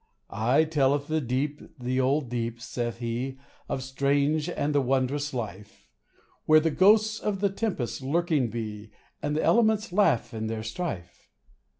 Aye, telleth the deep, the old deep, saith he Of the strange and the wondrous life, Where the ghosts of the tempests lurking be, And the elements laugh in their strife